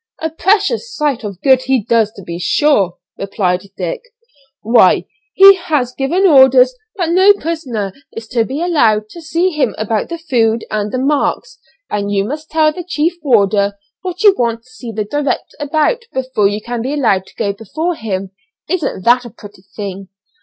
"A precious sight of good he does to be sure," replied Dick, "why he has given orders that no prisoner is to be allowed to see him about the food and the marks, and you must tell the chief warder what you want to see the director about before you can be allowed to go before him. Isn't that a pretty thing?